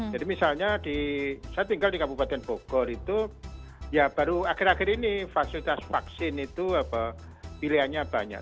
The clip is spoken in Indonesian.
jadi misalnya saya tinggal di kabupaten bogor itu ya baru akhir akhir ini fasilitas vaksin itu pilihannya banyak